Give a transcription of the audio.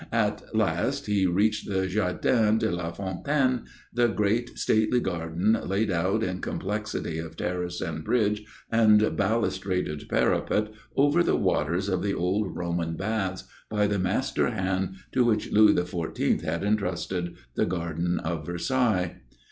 At last he reached the Jardin de la Fontaine, the great, stately garden laid out in complexity of terrace and bridge and balustraded parapet over the waters of the old Roman baths by the master hand to which Louis XIV. had entrusted the Garden of Versailles.